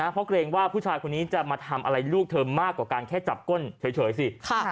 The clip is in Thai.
เพราะเกรงว่าผู้ชายคนนี้จะมาทำอะไรลูกเธอมากกว่าการแค่จับก้นเฉยสิ